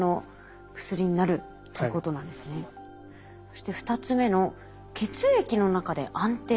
そして２つ目の「血液の中で安定」。